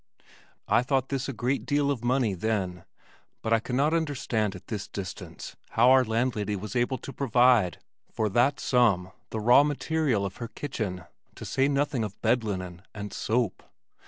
I thought this a great deal of money then, but I cannot understand at this distance how our landlady was able to provide, for that sum, the raw material of her kitchen, to say nothing of bed linen and soap.